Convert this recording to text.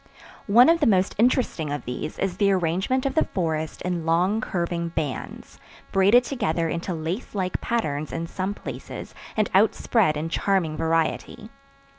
One of the most interesting of these is the arrangement of the forest in long curving bands, braided together into lace like patterns in some places and out spread in charming variety.